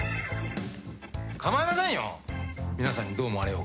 構いませんよ。